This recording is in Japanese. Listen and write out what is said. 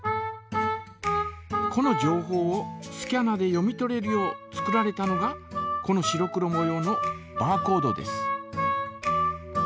この情報をスキャナで読み取れるよう作られたのがこの白黒もようのバーコードです。